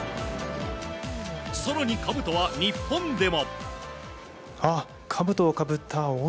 更にかぶとは日本でも。